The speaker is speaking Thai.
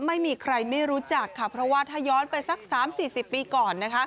ไม่มีใครไม่รู้จักค่ะเพราะว่าถ้าย้อนไปสัก๓๔๐ปีก่อนนะคะ